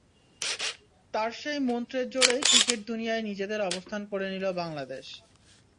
তাঁর সেই মন্ত্রের জোরেই ক্রিকেট দুনিয়ায় নিজেদের অবস্থান করে নিল বাংলাদেশ।